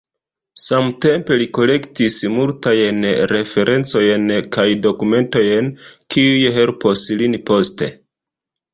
Samtempe li kolektis multajn referencojn kaj dokumentojn, kiuj helpos lin poste.